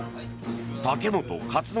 竹本勝紀